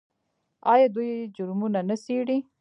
آیا دوی جرمونه نه څیړي؟